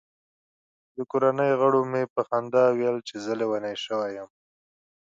د کورنۍ غړو مې په خندا ویل چې زه لیونی شوی یم.